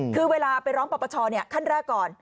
คือเวลาไปร้องประปเชาะเนี่ยขั้นแรกก่อน